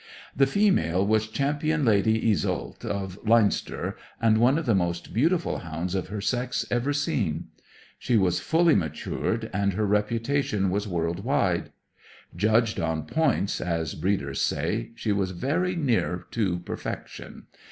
The female was Champion Lady Iseult of Leinster, and one of the most beautiful hounds of her sex ever seen. She was fully matured, and her reputation was world wide. Judged on "points," as breeders say, she was very near to perfection.